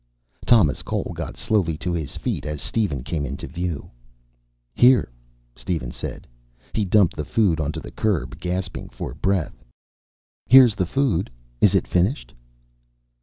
Thomas Cole got slowly to his feet as Steven came into view. "Here," Steven said. He dumped the food onto the curb, gasping for breath. "Here's the food. Is it finished?"